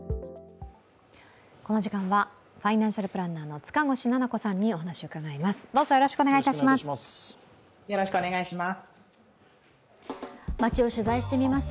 この時間はファイナンシャルプランナーの塚越菜々子さんにお話を伺います。